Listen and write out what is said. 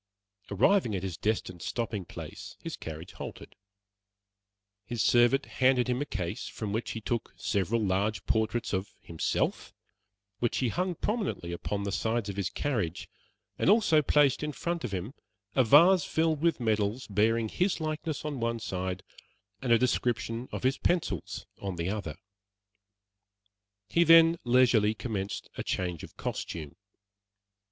Arriving at his destined stopping place, his carriage halted. His servant handed him a case from which he took several large portraits of himself, which he hung prominently upon the sides of his carriage, and also placed in front of him a vase filled with medals bearing his likeness on one side and a description of his pencils on the other. He then leisurely commenced a change of costume.